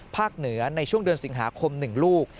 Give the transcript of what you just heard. เหนือในช่วงเดือนสิงหาคม๑ลูก